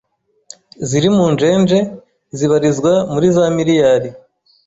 ziri mu njeje zibarirwa muri za miriyari